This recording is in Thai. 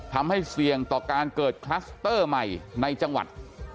ทำให้เสี่ยงต่อการเกิดคลัสเตอร์ใหม่ในจังหวัด